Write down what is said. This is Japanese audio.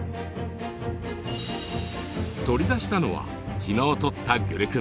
取り出したのは昨日とったグルクン。